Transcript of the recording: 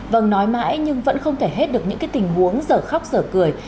vâng nói mãi nhưng vẫn không thể hết được những tình huống giờ khóc giờ cười